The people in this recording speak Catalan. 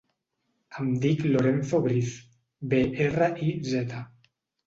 Em dic Lorenzo Briz: be, erra, i, zeta.